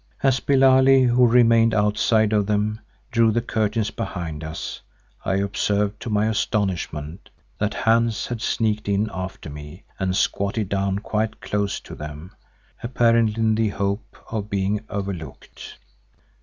As Billali, who remained outside of them, drew the curtains behind us, I observed, to my astonishment, that Hans had sneaked in after me, and squatted down quite close to them, apparently in the hope of being overlooked.